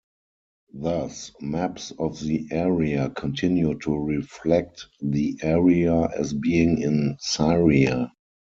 Thus, maps of the area continued to reflect the area as being in Syria.